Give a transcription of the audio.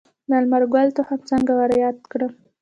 د لمر ګل تخم څنګه وریت کړم؟